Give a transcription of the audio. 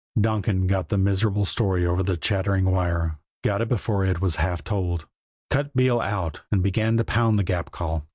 Donkin got the miserable story over the chattering wire got it before it was half told cut Beale out and began to pound the Gap call.